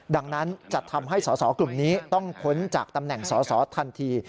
ดังนั้นจะทำให้สอสอกลุ่มนี้ต้องพ้นจากตำแหน่งสอสอทันที